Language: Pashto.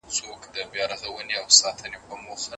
مانا بې له غږه نه راځي.